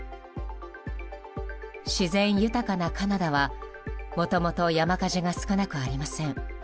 自然豊かなカナダはもともと山火事が少なくありません。